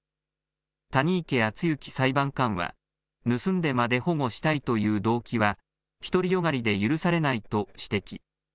谷池厚行裁判官は盗んでまで保護したいという動機は独り善がりで許されないと指摘。